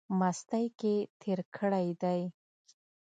مستۍ کښې تېر کړی دی۔